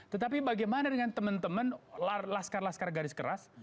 tetapi bagaimana dengan teman teman laskar laskar garis keras